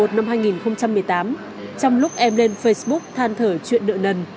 trong lúc em lên facebook than thở chuyện nợ nần